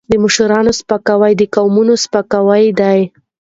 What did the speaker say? د مشرانو سپکاوی د قوم سپکاوی دی.